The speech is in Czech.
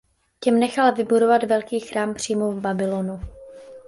Těm nechal vybudovat velký chrám přímo v Babylonu.